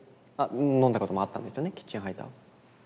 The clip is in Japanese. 飲んだこともあったんですよねキッチンハイター。